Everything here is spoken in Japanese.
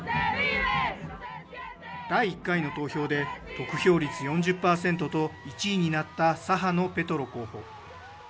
第１回の投票で得票率４０％と１位になった左派のペトロ候補。